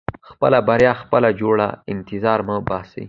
• خپله بریا خپله جوړوه، انتظار مه باسې.